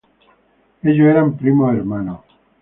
Ellos eran primos hermanos.